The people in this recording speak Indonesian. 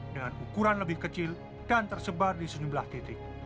dengan ukuran lebih kecil dan tersebar di sejumlah titik